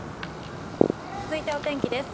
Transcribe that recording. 続いて、お天気です。